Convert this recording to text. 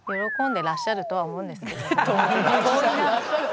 「いらっしゃるとは思うんですけど」。